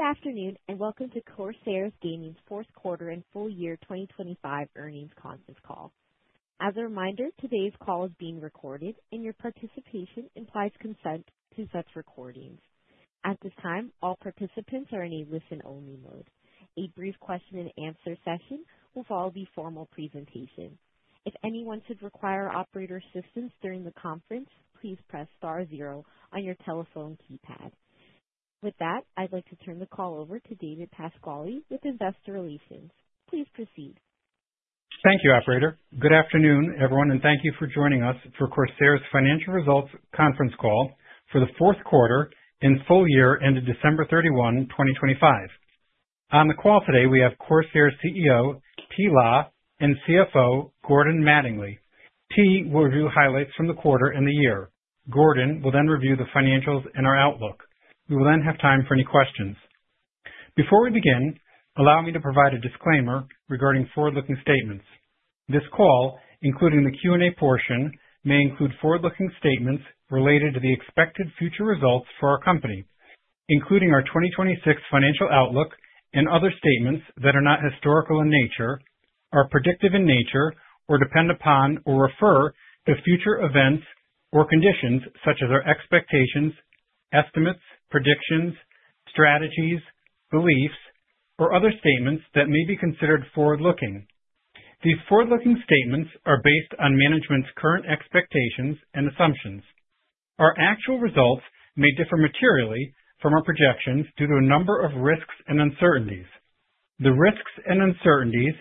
Good afternoon, and welcome to Corsair Gaming's Fourth Quarter and Full Year 2025 earnings conference call. As a reminder, today's call is being recorded and your participation implies consent to such recordings. At this time, all participants are in a listen-only mode. A brief question and answer session will follow the formal presentation. If anyone should require operator assistance during the conference, please press star zero on your telephone keypad. With that, I'd like to turn the call over to David Pasquale with Investor Relations. Please proceed. Thank you, operator. Good afternoon, everyone, and thank you for joining us for Corsair's financial results conference call for the fourth quarter and full year ended December 31, 2025. On the call today, we have Corsair's CEO, Thi La, and CFO, Gordon Mattingly. Thi will review highlights from the quarter and the year. Gordon will then review the financials and our outlook. We will then have time for any questions. Before we begin, allow me to provide a disclaimer regarding forward-looking statements. This call, including the Q&A portion, may include forward-looking statements related to the expected future results for our company, including our 2026 financial outlook and other statements that are not historical in nature, are predictive in nature, or depend upon or refer to future events or conditions, such as our expectations, estimates, predictions, strategies, beliefs, or other statements that may be considered forward-looking. These forward-looking statements are based on management's current expectations and assumptions. Our actual results may differ materially from our projections due to a number of risks and uncertainties. The risks and uncertainties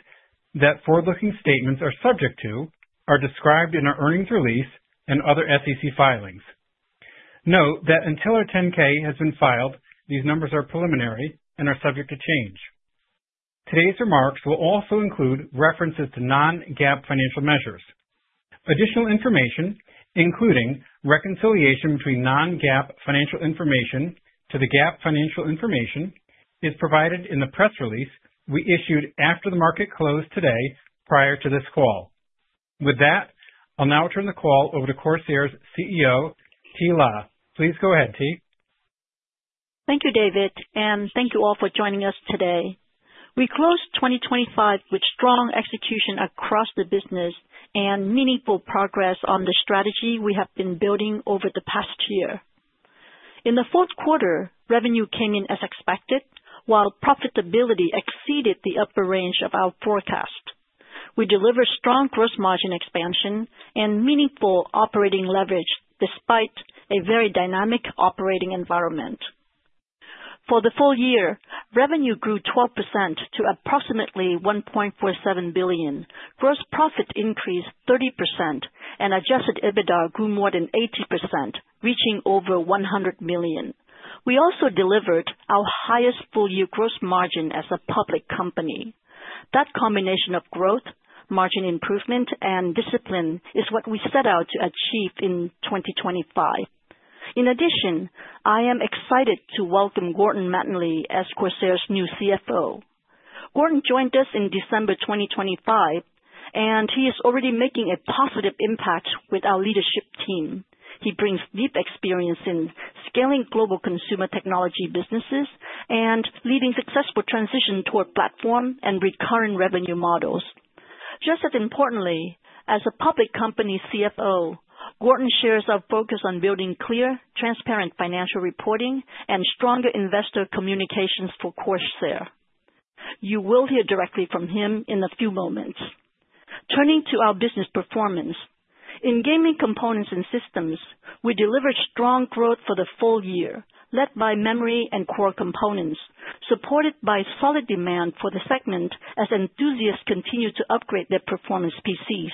that forward-looking statements are subject to are described in our earnings release and other SEC filings. Note that until our 10-K has been filed, these numbers are preliminary and are subject to change. Today's remarks will also include references to non-GAAP financial measures. Additional information, including reconciliation between non-GAAP financial information to the GAAP financial information, is provided in the press release we issued after the market closed today prior to this call. With that, I'll now turn the call over to CORSAIR's CEO, Thi La. Please go ahead, Thi. Thank you, David, and thank you all for joining us today. We closed 2025 with strong execution across the business and meaningful progress on the strategy we have been building over the past year. In the fourth quarter, revenue came in as expected, while profitability exceeded the upper range of our forecast. We delivered strong gross margin expansion and meaningful operating leverage despite a very dynamic operating environment. For the full year, revenue grew 12% to approximately $1.47 billion. Gross profit increased 30% and adjusted EBITDA grew more than 80%, reaching over $100 million. We also delivered our highest full-year gross margin as a public company. That combination of growth, margin improvement, and discipline is what we set out to achieve in 2025. In addition, I am excited to welcome Gordon Mattingly as Corsair's new CFO. Gordon joined us in December 2025, and he is already making a positive impact with our leadership team. He brings deep experience in scaling global consumer technology businesses and leading successful transition toward platform and recurring revenue models. Just as importantly, as a public company CFO, Gordon shares our focus on building clear, transparent financial reporting and stronger investor communications for Corsair. You will hear directly from him in a few moments. Turning to our business performance. In gaming components and systems, we delivered strong growth for the full year, led by memory and core components, supported by solid demand for the segment as enthusiasts continued to upgrade their performance PCs.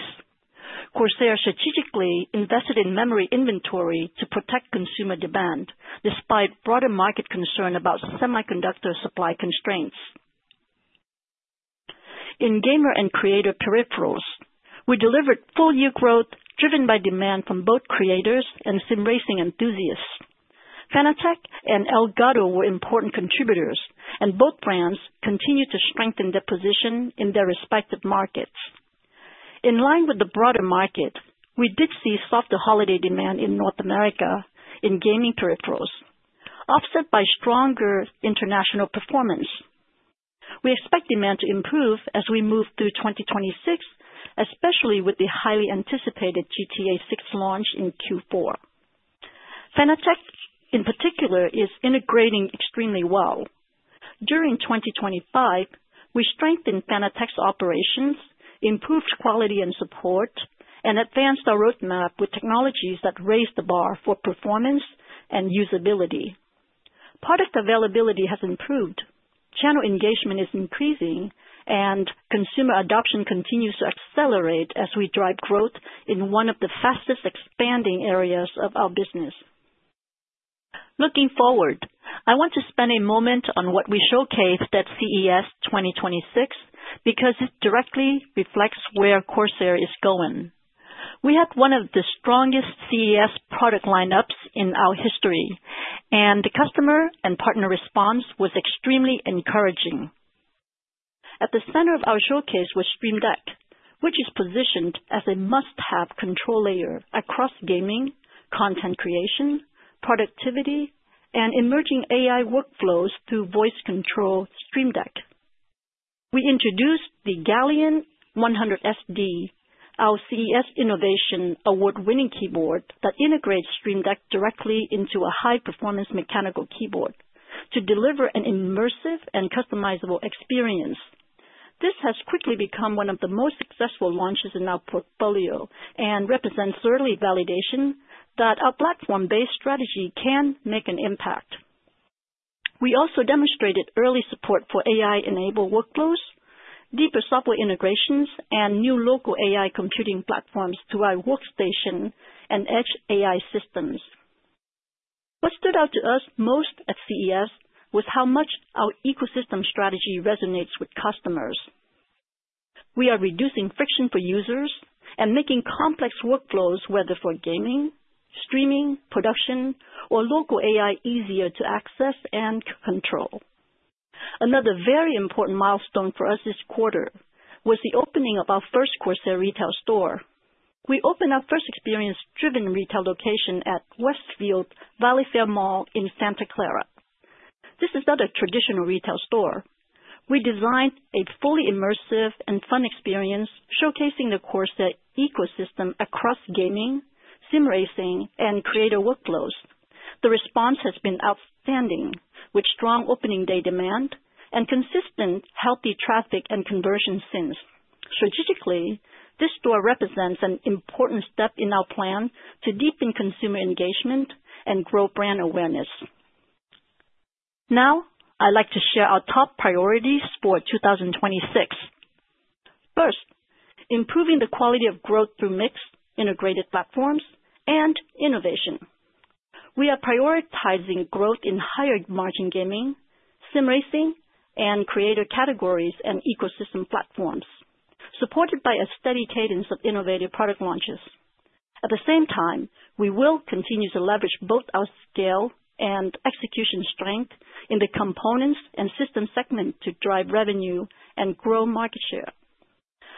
Corsair strategically invested in memory inventory to protect consumer demand, despite broader market concern about semiconductor supply constraints. In Gamer and Creator Peripherals, we delivered full year growth, driven by demand from both creators and sim racing enthusiasts. Fanatec and Elgato were important contributors, and both brands continued to strengthen their position in their respective markets. In line with the broader market, we did see softer holiday demand in North America in gaming peripherals, offset by stronger international performance. We expect demand to improve as we move through 2026, especially with the highly anticipated GTA 6 launch in Q4. Fanatec, in particular, is integrating extremely well. During 2025, we strengthened Fanatec's operations, improved quality and support, and advanced our roadmap with technologies that raised the bar for performance and usability. Product availability has improved, channel engagement is increasing, and consumer adoption continues to accelerate as we drive growth in one of the fastest expanding areas of our business. Looking forward, I want to spend a moment on what we showcased at CES 2026, because it directly reflects where Corsair is going. We had one of the strongest CES product lineups in our history, and the customer and partner response was extremely encouraging. At the center of our showcase was Stream Deck, which is positioned as a must-have control layer across gaming, content creation, productivity, and emerging AI workflows through voice control Stream Deck. We introduced the Galleon 100 SD, our CES Innovation Award-winning keyboard that integrates Stream Deck directly into a high-performance mechanical keyboard to deliver an immersive and customizable experience. This has quickly become one of the most successful launches in our portfolio and represents early validation that our platform-based strategy can make an impact. We also demonstrated early support for AI-enabled workflows, deeper software integrations, and new local AI computing platforms through our workstation and edge AI systems. What stood out to us most at CES was how much our ecosystem strategy resonates with customers. We are reducing friction for users and making complex workflows, whether for gaming, streaming, production, or local AI, easier to access and control. Another very important milestone for us this quarter was the opening of our first Corsair retail store. We opened our first experience-driven retail location at Westfield Valley Fair Mall in Santa Clara. This is not a traditional retail store. We designed a fully immersive and fun experience, showcasing the Corsair ecosystem across gaming, sim racing, and creator workflows. The response has been outstanding, with strong opening day demand and consistent healthy traffic and conversion since. Strategically, this store represents an important step in our plan to deepen consumer engagement and grow brand awareness. Now, I'd like to share our top priorities for 2026. First, improving the quality of growth through mixed integrated platforms and innovation. We are prioritizing growth in higher margin gaming, sim racing, and creator categories and ecosystem platforms, supported by a steady cadence of innovative product launches. At the same time, we will continue to leverage both our scale and execution strength in the components and systems segment to drive revenue and grow market share.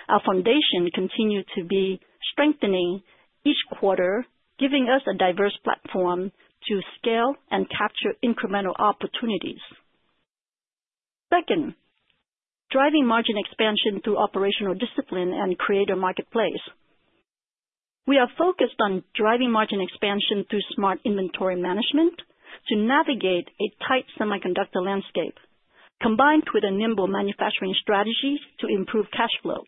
Our foundation continued to be strengthening each quarter, giving us a diverse platform to scale and capture incremental opportunities. Second, driving margin expansion through operational discipline and creator marketplace. We are focused on driving margin expansion through smart inventory management to navigate a tight semiconductor landscape, combined with a nimble manufacturing strategy to improve cash flow.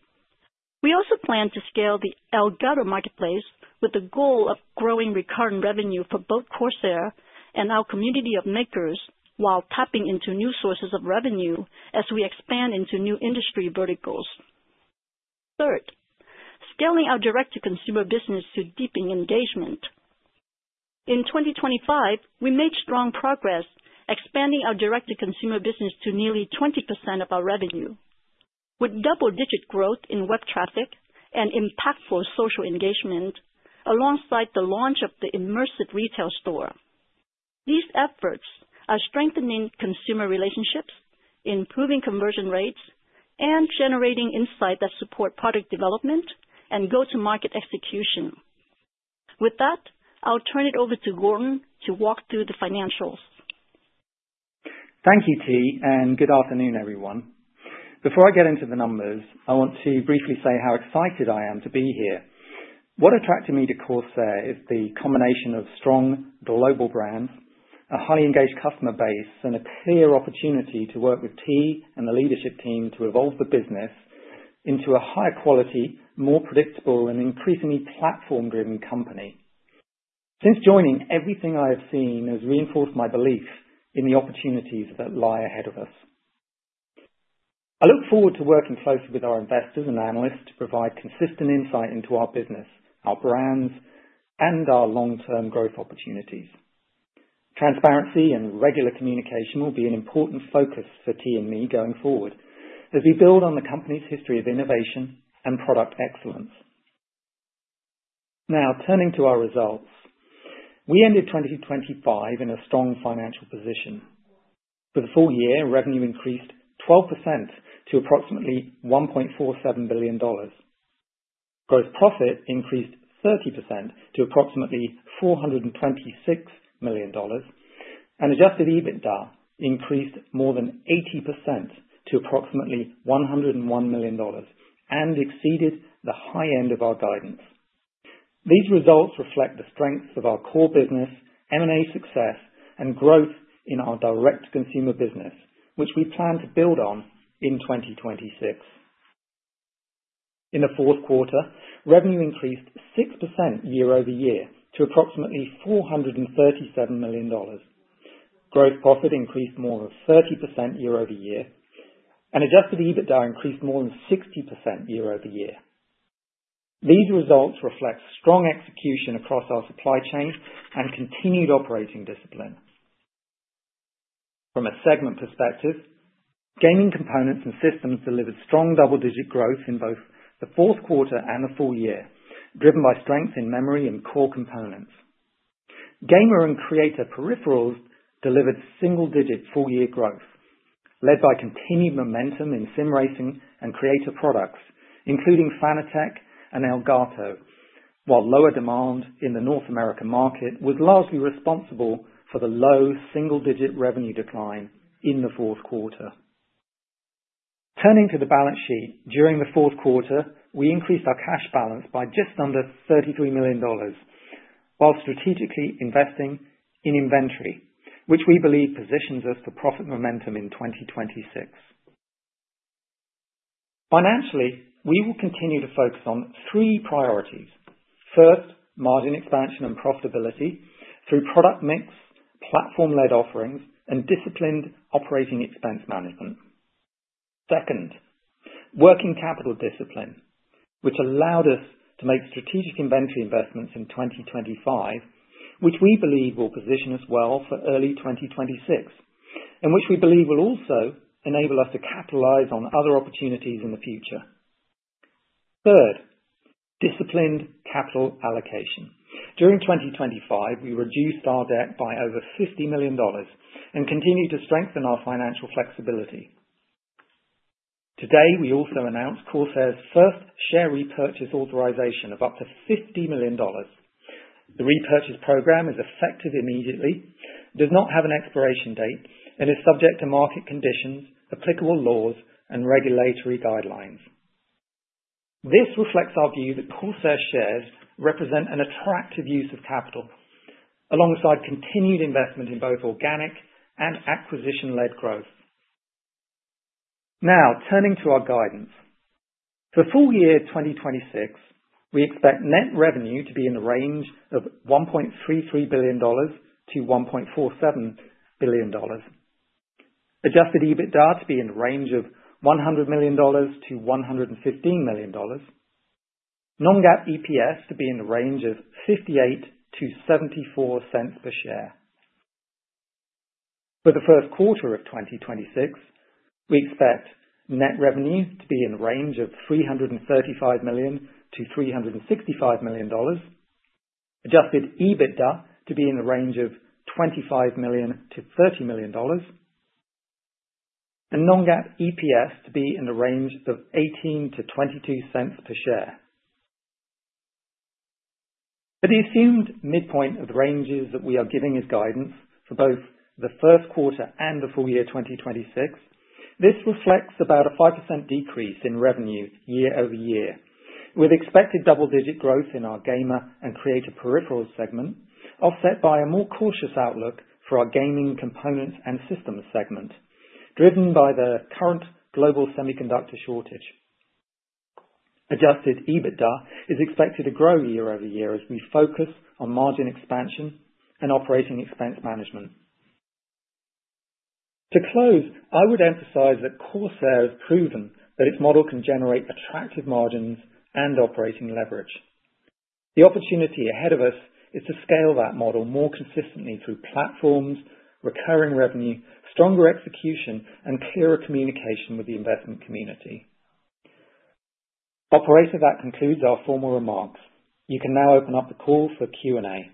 We also plan to scale the Elgato Marketplace with the goal of growing recurring revenue for both Corsair and our community of makers, while tapping into new sources of revenue as we expand into new industry verticals. Third, scaling our direct-to-consumer business to deepen engagement. In 2025, we made strong progress expanding our direct-to-consumer business to nearly 20% of our revenue, with double-digit growth in web traffic and impactful social engagement, alongside the launch of the immersive retail store. These efforts are strengthening consumer relationships, improving conversion rates, and generating insight that support product development and go-to-market execution. With that, I'll turn it over to Gordon to walk through the financials. Thank you, Thi, and good afternoon, everyone. Before I get into the numbers, I want to briefly say how excited I am to be here. What attracted me to Corsair is the combination of strong global brands, a highly engaged customer base, and a clear opportunity to work with Thi and the leadership team to evolve the business into a higher quality, more predictable, and increasingly platform-driven company. Since joining, everything I have seen has reinforced my belief in the opportunities that lie ahead of us. I look forward to working closely with our investors and analysts to provide consistent insight into our business, our brands, and our long-term growth opportunities. Transparency and regular communication will be an important focus for Thi and me going forward as we build on the company's history of innovation and product excellence. Now, turning to our results. We ended 2025 in a strong financial position. For the full year, revenue increased 12% to approximately $1.47 billion. Gross profit increased 30% to approximately $426 million, and Adjusted EBITDA increased more than 80% to approximately $101 million and exceeded the high end of our guidance. These results reflect the strengths of our core business, M&A success, and growth in our direct-to-consumer business, which we plan to build on in 2026. In the fourth quarter, revenue increased 6% year-over-year to approximately $437 million. Gross profit increased more than 30% year-over-year, and Adjusted EBITDA increased more than 60% year-over-year. These results reflect strong execution across our supply chain and continued operating discipline. From a segment perspective, gaming components and systems delivered strong double-digit growth in both the fourth quarter and the full year, driven by strength in memory and core components. Gamer and Creator Peripherals delivered single-digit full-year growth, led by continued momentum in sim racing and creator products, including Fanatec and Elgato, while lower demand in the North American market was largely responsible for the low single-digit revenue decline in the fourth quarter. Turning to the balance sheet, during the fourth quarter, we increased our cash balance by just under $33 million, while strategically investing in inventory, which we believe positions us for profit momentum in 2026. Financially, we will continue to focus on 3 priorities. First, margin expansion and profitability through product mix, platform-led offerings, and disciplined operating expense management. Second, working capital discipline, which allowed us to make strategic inventory investments in 2025, which we believe will position us well for early 2026, and which we believe will also enable us to capitalize on other opportunities in the future. Third, disciplined capital allocation. During 2025, we reduced our debt by over $50 million and continued to strengthen our financial flexibility. Today, we also announced Corsair's first share repurchase authorization of up to $50 million. The repurchase program is effective immediately, does not have an expiration date, and is subject to market conditions, applicable laws, and regulatory guidelines. This reflects our view that Corsair shares represent an attractive use of capital, alongside continued investment in both organic and acquisition-led growth. Now, turning to our guidance. For full year 2026, we expect net revenue to be in the range of $1.33 billion-$1.47 billion. Adjusted EBITDA to be in the range of $100 million-$115 million. Non-GAAP EPS to be in the range of $0.58-$0.74 per share. For the first quarter of 2026, we expect net revenue to be in the range of $335 million-$365 million. Adjusted EBITDA to be in the range of $25 million-$30 million, and non-GAAP EPS to be in the range of $0.18-$0.22 per share. For the assumed midpoint of the ranges that we are giving as guidance for both the first quarter and the full year 2026, this reflects about a 5% decrease in revenue year-over-year, with expected double-digit growth in our Gamer and Creator Peripherals segment, offset by a more cautious outlook for our Gaming Components and Systems segment, driven by the current global semiconductor shortage. Adjusted EBITDA is expected to grow year-over-year as we focus on margin expansion and operating expense management. To close, I would emphasize that Corsair has proven that its model can generate attractive margins and operating leverage. The opportunity ahead of us is to scale that model more consistently through platforms, recurring revenue, stronger execution, and clearer communication with the investment community. Operator, that concludes our formal remarks. You can now open up the call for Q&A.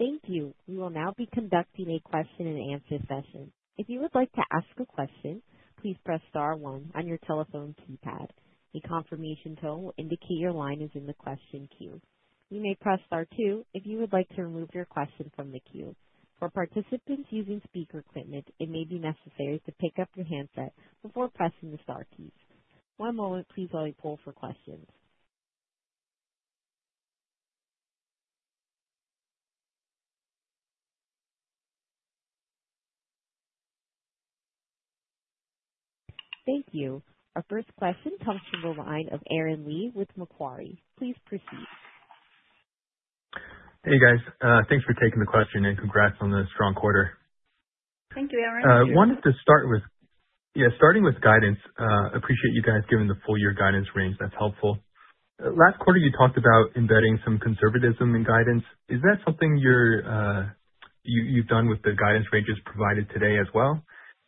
Thank you. We will now be conducting a question-and-answer session. If you would like to ask a question, please press star one on your telephone keypad. A confirmation tone will indicate your line is in the question queue. You may press star two if you would like to remove your question from the queue. For participants using speaker equipment, it may be necessary to pick up your handset before pressing the star keys. One moment, please, while we poll for questions. Thank you. Our first question comes from the line of Aaron Lee with Macquarie. Please proceed. Hey, guys. Thanks for taking the question, and congrats on the strong quarter. Thank you, Aaron. Starting with guidance, appreciate you guys giving the full year guidance range. That's helpful. Last quarter, you talked about embedding some conservatism in guidance. Is that something you've done with the guidance ranges provided today as well?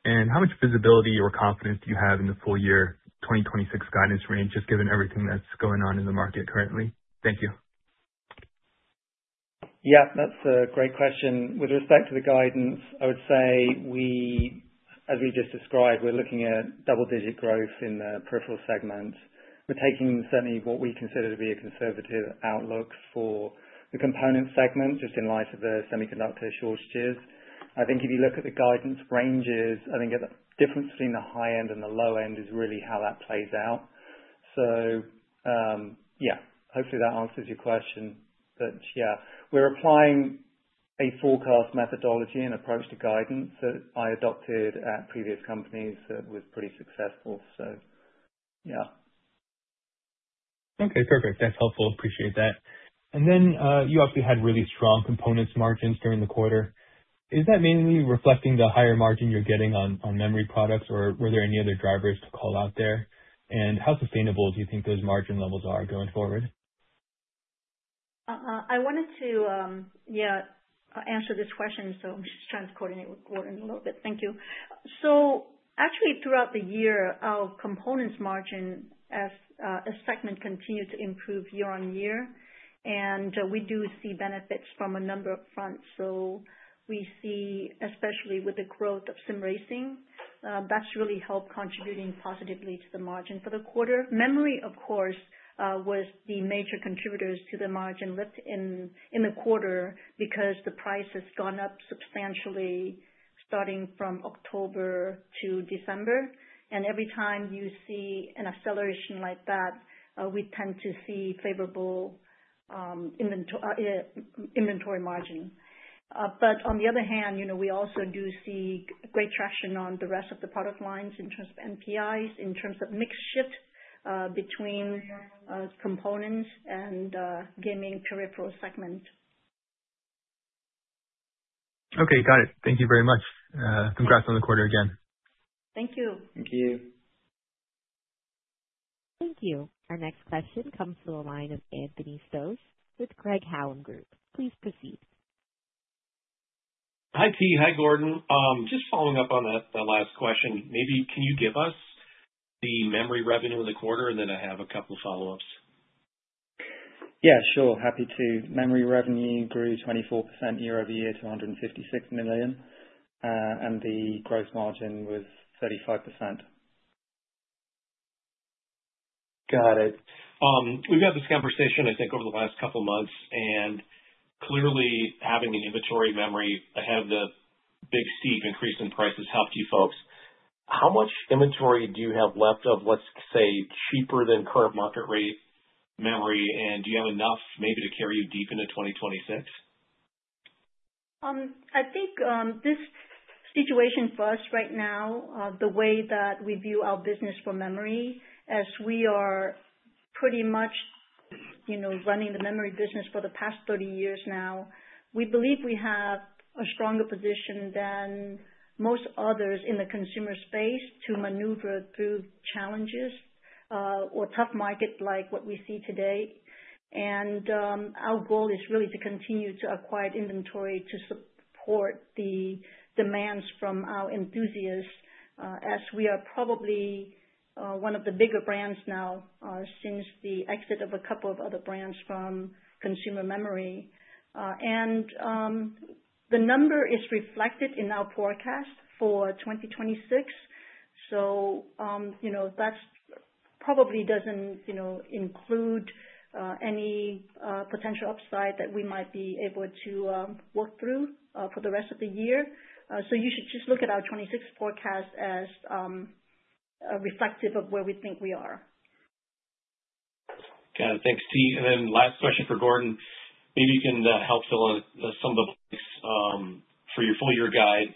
And how much visibility or confidence do you have in the full year 2026 guidance range, just given everything that's going on in the market currently? Thank you. Yeah, that's a great question. With respect to the guidance, I would say we, as we just described, we're looking at double-digit growth in the peripheral segment. We're taking certainly what we consider to be a conservative outlook for the component segment, just in light of the semiconductor shortages. I think if you look at the guidance ranges, I think the difference between the high end and the low end is really how that plays out. So, yeah, hopefully that answers your question, but yeah. We're applying a forecast methodology and approach to guidance that I adopted at previous companies that was pretty successful, so yeah. Okay, perfect. That's helpful. Appreciate that. And then, you also had really strong components margins during the quarter. Is that mainly reflecting the higher margin you're getting on memory products, or were there any other drivers to call out there? And how sustainable do you think those margin levels are going forward? I wanted to answer this question, so I'm just trying to coordinate with Gordon a little bit. Thank you. Actually, throughout the year, our components margin as a segment continued to improve year-on-year, and we do see benefits from a number of fronts. We see, especially with the growth of sim racing, that's really helped contributing positively to the margin for the quarter. Memory, of course, was the major contributors to the margin lift in the quarter, because the price has gone up substantially starting from October to December, and every time you see an acceleration like that, we tend to see favorable inventory margin. But on the other hand, you know, we also do see great traction on the rest of the product lines in terms of NPIs, in terms of mix shift, between components and gaming peripheral segment. Okay, got it. Thank you very much. Congrats on the quarter again. Thank you. Thank you. Thank you. Our next question comes from the line of Anthony Stoss with Craig-Hallum Group. Please proceed. Hi, Thi. Hi, Gordon. Just following up on that, that last question, maybe can you give us the memory revenue in the quarter? And then I have a couple follow-ups. Yeah, sure. Happy to. Memory revenue grew 24% year-over-year to $156 million, and the gross margin was 35%. Got it. We've had this conversation, I think, over the last couple of months, and clearly, having the inventory memory have the big, steep increase in prices helped you folks. How much inventory do you have left of, let's say, cheaper than current market rate memory, and do you have enough maybe to carry you deep into 2026? I think this situation for us right now, the way that we view our business for memory, as we are pretty much, you know, running the memory business for the past 30 years now, we believe we have a stronger position than most others in the consumer space to maneuver through challenges or tough market like what we see today. Our goal is really to continue to acquire inventory to support the demands from our enthusiasts, as we are probably one of the bigger brands now, since the exit of a couple of other brands from consumer memory. The number is reflected in our forecast for 2026. So, you know, that's probably doesn't, you know, include any potential upside that we might be able to work through for the rest of the year. So you should just look at our 2026 forecast as reflective of where we think we are. Got it. Thanks, Thi. And then last question for Gordon: Maybe you can help fill in some of the blanks for your full year guide,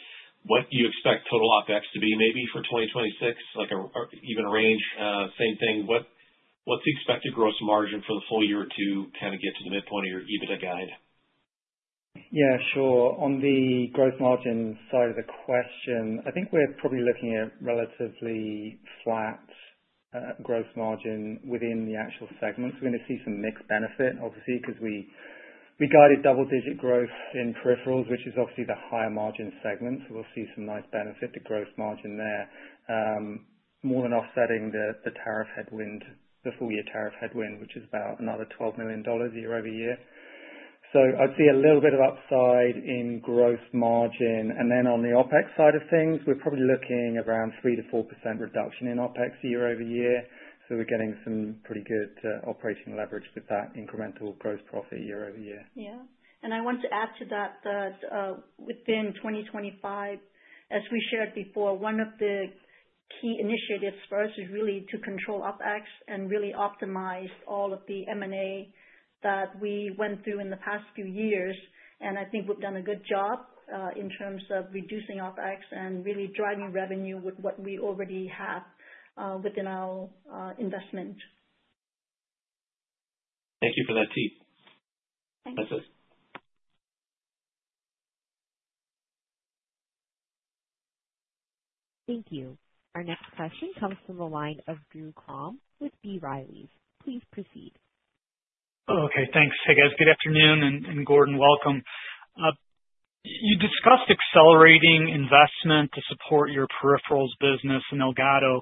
what do you expect total OpEx to be maybe for 2026, or even a range? Same thing, what's the expected gross margin for the full year to kind of get to the midpoint of your EBITDA guide? Yeah, sure. On the gross margin side of the question, I think we're probably looking at relatively flat, gross margin within the actual segments. We're gonna see some mixed benefit, obviously, because we, we guided double-digit growth in peripherals, which is obviously the higher margin segment, so we'll see some nice benefit to gross margin there. More than offsetting the, the tariff headwind, the full year tariff headwind, which is about another $12 million year-over-year. So I'd see a little bit of upside in gross margin. And then on the OpEx side of things, we're probably looking around 3%-4% reduction in OpEx year-over-year, so we're getting some pretty good, operational leverage with that incremental gross profit year-over-year. Yeah. And I want to add to that, that, within 2025, as we shared before, one of the key initiatives for us is really to control OpEx and really optimize all of the M&A that we went through in the past few years. And I think we've done a good job, in terms of reducing OpEx and really driving revenue with what we already have, within our, investment. Thank you for that, Thi. Thank you. That's it. Thank you. Our next question comes from the line of Drew Crum with B. Riley. Please proceed. Okay, thanks. Hey, guys. Good afternoon, and Gordon, welcome. You discussed accelerating investment to support your peripherals business in Elgato.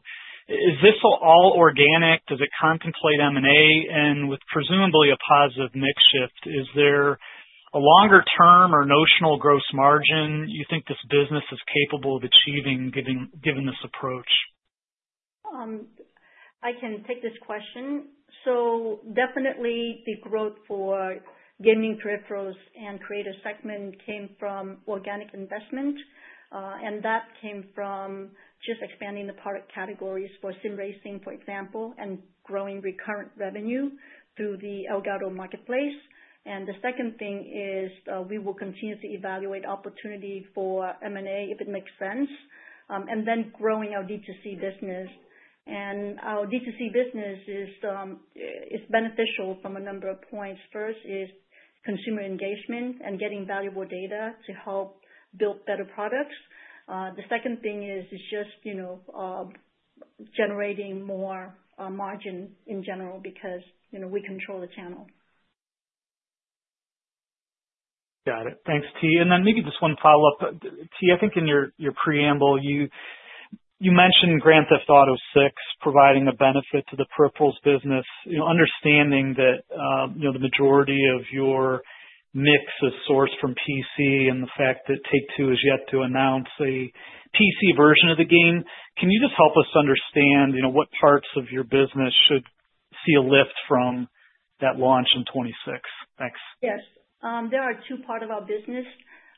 Is this all organic? Does it contemplate M&A? And with presumably a positive mix shift, is there a longer term or notional gross margin you think this business is capable of achieving, given this approach? I can take this question. So definitely the growth for gaming peripherals and creative segment came from organic investment, and that came from just expanding the product categories for sim racing, for example, and growing recurrent revenue through the Elgato Marketplace. And the second thing is, we will continue to evaluate opportunity for M&A if it makes sense, and then growing our D2C business. And our D2C business is, it's beneficial from a number of points. First is consumer engagement and getting valuable data to help build better products. The second thing is just, you know, generating more margin in general because, you know, we control the channel.... Got it. Thanks, Thi. And then maybe just one follow-up. Thi, I think in your preamble, you mentioned Grand Theft Auto VI providing a benefit to the peripherals business. You know, understanding that, you know, the majority of your mix is sourced from PC and the fact that Take-Two is yet to announce a PC version of the game, can you just help us understand, you know, what parts of your business should see a lift from that launch in 2026? Thanks. Yes. There are two part of our business.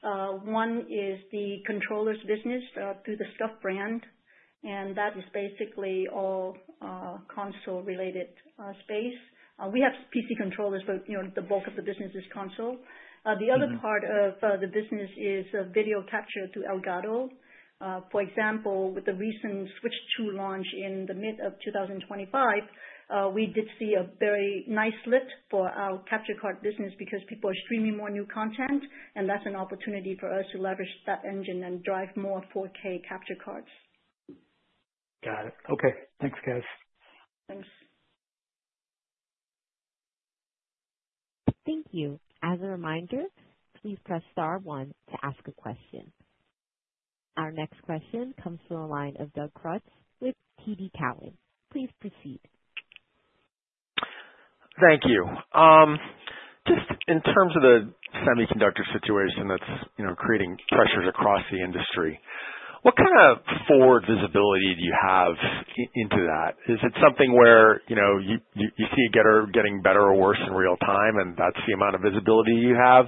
One is the controllers business through the SCUF brand, and that is basically all console-related space. We have PC controllers, but, you know, the bulk of the business is console. The other part of the business is video capture through Elgato. For example, with the recent Switch 2 launch in the mid of 2025, we did see a very nice lift for our capture card business because people are streaming more new content, and that's an opportunity for us to leverage that engine and drive more 4K capture cards. Got it. Okay. Thanks, guys. Thanks. Thank you. As a reminder, please press star one to ask a question. Our next question comes from the line of Doug Creutz with TD Cowen. Please proceed. Thank you. Just in terms of the semiconductor situation that's, you know, creating pressures across the industry, what kind of forward visibility do you have into that? Is it something where, you know, you see it getting better or worse in real time, and that's the amount of visibility you have?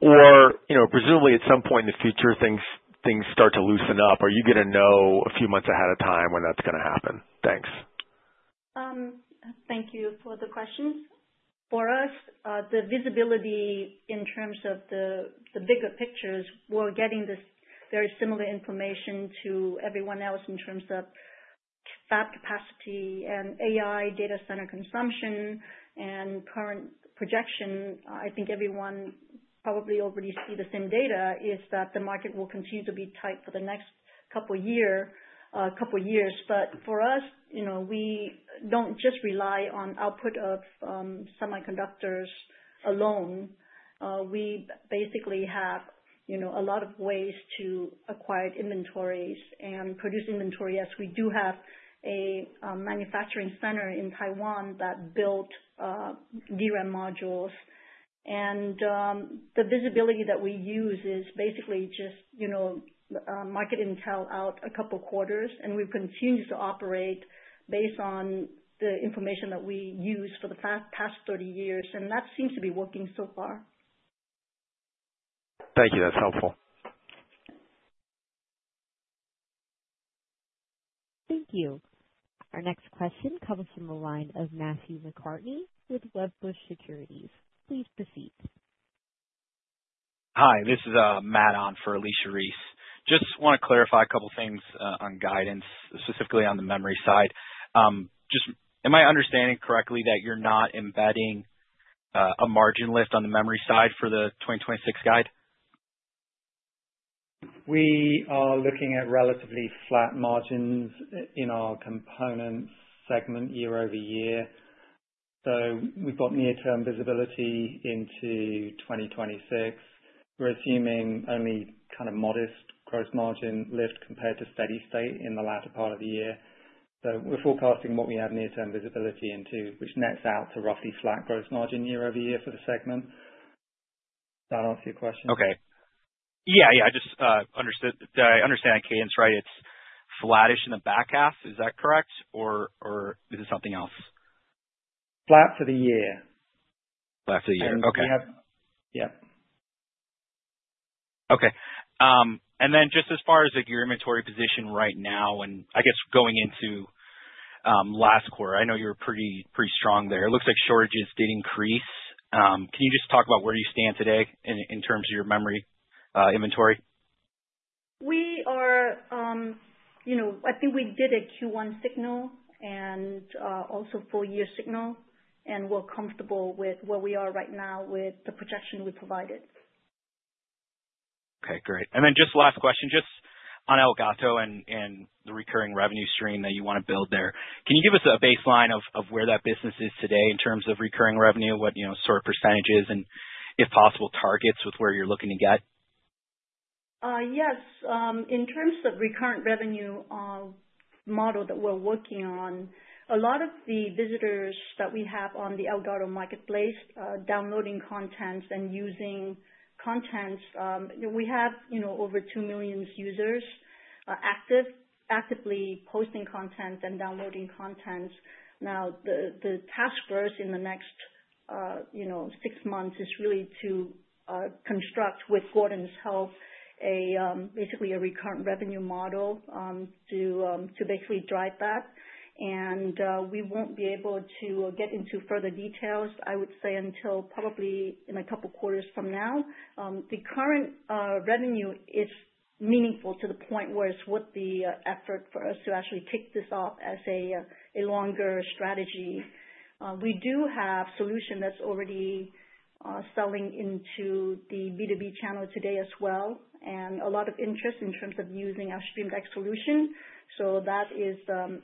Or, you know, presumably, at some point in the future, things start to loosen up. Are you gonna know a few months ahead of time when that's gonna happen? Thanks. Thank you for the question. For us, the visibility in terms of the bigger picture is we're getting this very similar information to everyone else in terms of fab capacity and AI data center consumption and current projection. I think everyone probably already see the same data, is that the market will continue to be tight for the next couple year, couple years. But for us, you know, we don't just rely on output of semiconductors alone. We basically have, you know, a lot of ways to acquire inventories and produce inventory. Yes, we do have a manufacturing center in Taiwan that built DRAM modules. The visibility that we use is basically just, you know, market intel out a couple quarters, and we've continued to operate based on the information that we used for the past 30 years, and that seems to be working so far. Thank you. That's helpful. Thank you. Our next question comes from the line of Matthew McCartney with Wedbush Securities. Please proceed. Hi, this is Matt on for Alicia Reese. Just want to clarify a couple things on guidance, specifically on the memory side. Just, am I understanding correctly that you're not embedding a margin lift on the memory side for the 2026 guide? We are looking at relatively flat margins in our components segment year over year. So we've got near-term visibility into 2026. We're assuming only kind of modest gross margin lift compared to steady state in the latter part of the year. So we're forecasting what we have near-term visibility into, which nets out to roughly flat gross margin year over year for the segment. Does that answer your question? Okay. Yeah, yeah. I just understood, so I understand cadence, right? It's flattish in the back half. Is that correct, or is it something else? Flat for the year. Flat for the year. Okay. Yep. Okay. And then just as far as, like, your inventory position right now and I guess going into last quarter, I know you were pretty, pretty strong there. It looks like shortages did increase. Can you just talk about where you stand today in terms of your memory inventory? We are, you know, I think we did a Q1 signal and, also full year signal, and we're comfortable with where we are right now with the projection we provided. Okay, great. And then just last question, just on Elgato and the recurring revenue stream that you want to build there. Can you give us a baseline of where that business is today in terms of recurring revenue, what, you know, sort of percentages and if possible, targets with where you're looking to get? Yes. In terms of recurrent revenue model that we're working on, a lot of the visitors that we have on the Elgato Marketplace downloading content and using content, we have, you know, over 2 million users are active, actively posting content and downloading content. Now, the task for us in the next, you know, six months, is really to construct with Gordon's help, basically a recurrent revenue model to basically drive that. And we won't be able to get into further details, I would say, until probably in a couple quarters from now. The current revenue is meaningful to the point where it's worth the effort for us to actually kick this off as a longer strategy. We do have solution that's already selling into the B2B channel today as well, and a lot of interest in terms of using our Stream Deck solution. So that is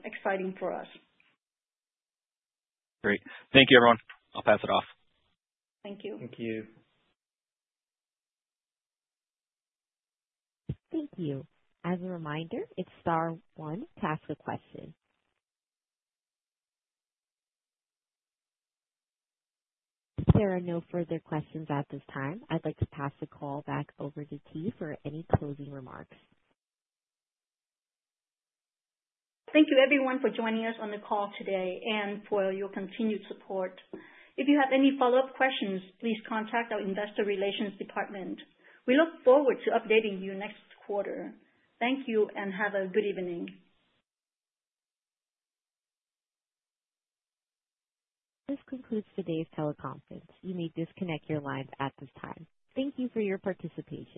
exciting for us. Great. Thank you, everyone. I'll pass it off. Thank you. Thank you. Thank you. As a reminder, it's star one to ask a question. If there are no further questions at this time, I'd like to pass the call back over to Thi for any closing remarks. Thank you, everyone, for joining us on the call today and for your continued support. If you have any follow-up questions, please contact our investor relations department. We look forward to updating you next quarter. Thank you and have a good evening. This concludes today's teleconference. You may disconnect your lines at this time. Thank you for your participation.